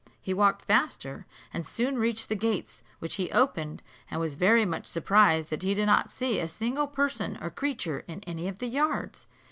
He walked faster, and soon reached the gates, which he opened, and was very much surprised that he did not see a single person or creature in any of the yards.